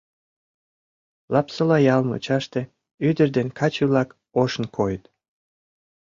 Лапсола ял мучаште ӱдыр ден каче-влак ошын койыт.